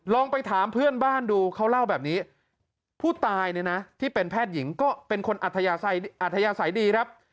ลองไปถามเพื่อนบ้านดูเขาเล่าแบบนี้ผู้ตายเนี่ยนะที่เป็นแพทย์หญิงก็เป็นคนอัธยาศัยดีครับ